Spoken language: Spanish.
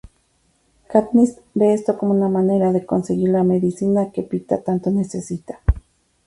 Katniss ve esto como una manera de conseguir la medicina que Peeta tanto necesita.